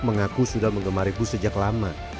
mengaku sudah mengemari bus sejak lama